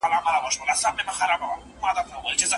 د پلار نصيحت اورېدل کېږي.